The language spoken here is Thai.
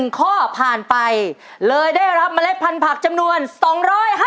๑ข้อผ่านไปเลยได้รับเมล็ดพันธุ์จำนวน๒๕๐